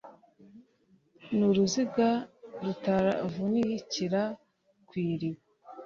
n'uruziga rutaravunikira ku iriba